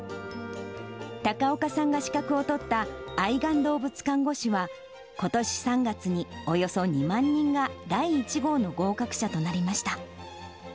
高岡さんが資格を取った愛玩動物看護師は、ことし３月におよそ２万人が第１号の合格者となりました。